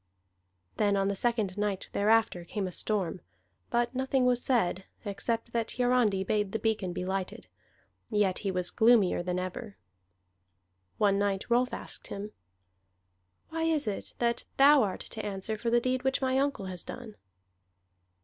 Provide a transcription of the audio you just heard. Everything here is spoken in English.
Then on the second night thereafter came a storm; but nothing was said, except that Hiarandi bade the beacon be lighted. Yet he was gloomier than ever. One night Rolf asked him: "Why is it that thou art to answer for that deed which my uncle has done?"